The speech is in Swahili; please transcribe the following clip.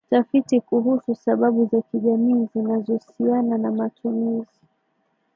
Tafiti kuhusu sababu za kijamii zinazosiana na matumizi